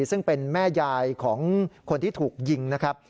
ซึ่งเป็นแม่ยายของคนที่ถูกยิงนะครับ